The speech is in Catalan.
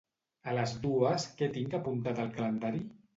A les dues què tinc apuntat al calendari?